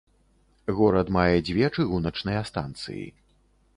Горад мае дзве чыгуначныя станцыі.